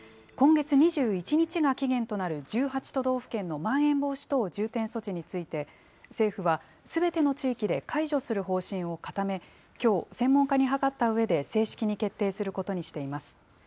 今月２１日が期限となる１８都道府県のまん延防止等重点措置について政府は、すべての地域で解除する方針を固め、きょう専門家に諮ったうえで正式に決定することにしています。